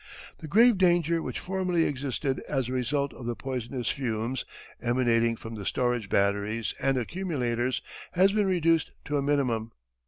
The grave danger which formerly existed as a result of the poisonous fumes, emanating from the storage batteries and accumulators, has been reduced to a minimum.